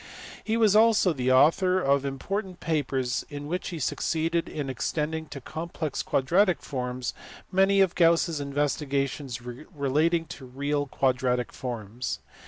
He was also the author of important papers in which he succeeded in extending to complex quadratic forms many of Gauss s investigations relating to real quadratic forms.